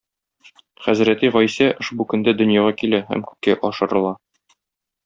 Хәзрәти Гайсә ошбу көндә дөньяга килә һәм күккә ашырыла.